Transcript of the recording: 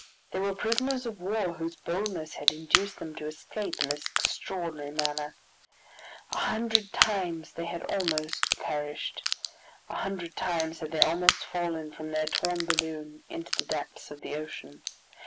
They were prisoners of war whose boldness had induced them to escape in this extraordinary manner. A hundred times they had almost perished! A hundred times had they almost fallen from their torn balloon into the depths of the ocean.